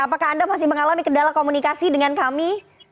apakah anda masih mengalami kendala komunikasi dengan kami